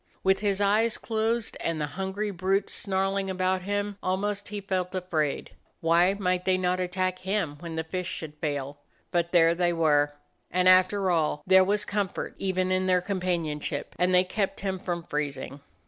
With his eyes closed and the hungry brutes snarling about him, almost he felt afraid. Why might they not attack him when the fish should fail? But there they m DOG HEROES OF MANY LANDS were ; and after all, there was comfort even in their companionship, and they kept him from freezing.